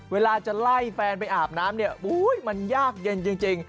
เวลาจะไล่แฟนไปอาบน้ำเนี่ยมันยากเย็นจริง